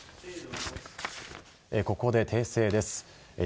ここで訂正です。